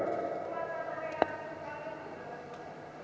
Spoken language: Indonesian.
bagaimana percaya dengan kapal tersebut